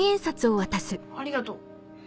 ありがとう。